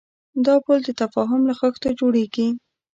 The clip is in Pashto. دا پُل د تفاهم له خښتو جوړېږي.